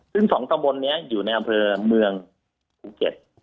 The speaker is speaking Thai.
ซึ่ง๒ตำบลนี้อยู่ในอำเภอเมืองภูเก็ต